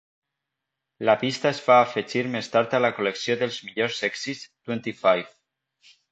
La pista es va afegir més tard a la col·lecció dels millors èxits "Twenty Five".